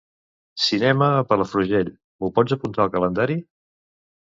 "Cinema a Palafrugell" m'ho pots apuntar al calendari?